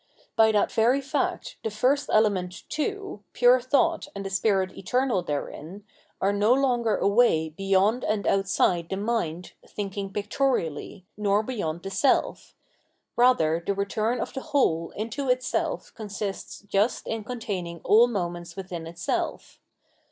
By that very fact the first element too, pure thought and the spirit eternal therein, are no longer away beyond and outside the mind thin k ing pictorially nor beyond the self ; rather the return of the whole into itself consists just in con taining aU moments within itself.